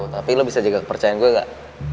tapi lo bisa jaga kepercayaan gue gak